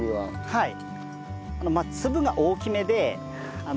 はい。